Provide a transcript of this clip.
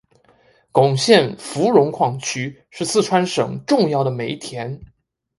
珙县芙蓉矿区是四川省重要的煤田。